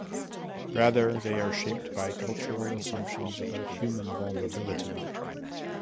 Rather, they are shaped by cultural assumptions about human vulnerability.